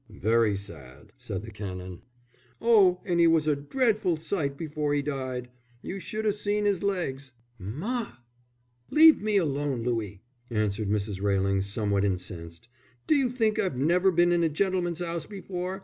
"Very sad!" said the Canon. "Oh, and 'e was a dreadful sight before 'e died. You should have seen his legs." "Ma!" "Leave me alone, Louie," answered Mrs. Railing, somewhat incensed. "Do you think I've never been in a gentleman's house before?